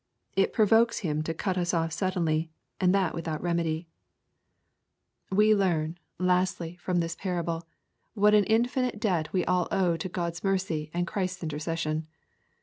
It provokes Him to cut us oflF suddenly, and that without remedv. 116 EXPOSITORY THOUQUTS. We learn, lastly, from this parable, what an infinite debt we ail owe to OocTs mercy and Christ's intercession.